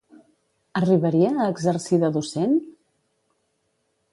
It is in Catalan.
Arribaria a exercir de docent?